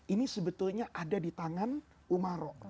ini sebetulnya ada di tangan umaro